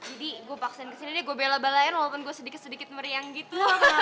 jadi gue paksain kesini deh gue bela balain walaupun gue sedikit sedikit meriang gitu